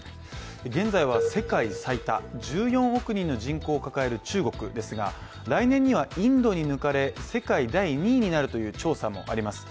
現在は世界最多１４億人の人口を抱える中国ですが来年にはインドに抜かれ、世界第２位になるとの調査もあります。